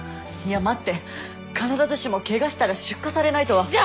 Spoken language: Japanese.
いや待って必ずしもケガしたら出荷されないとは。